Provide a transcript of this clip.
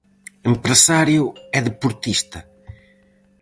Empresario e deportista.